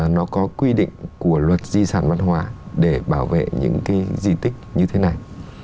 nó có quy định của luật di sản văn hóa để bảo vệ những cái di tích như thế này